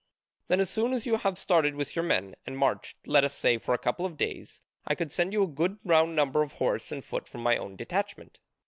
Then, as soon as you have started with your men, and marched, let us say, for a couple of days, I could send you a good round number of horse and foot from my own detachment.